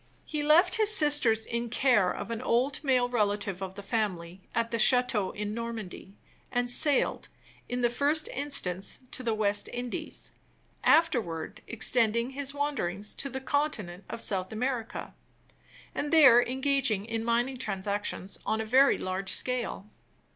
He left his sisters in care of an old male relative of the family at the chateau in Normandy, and sailed, in the first instance, to the West Indies; afterward extending his wanderings to the continent of South America, and there engaging in mining transactions on a very large scale.